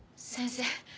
先生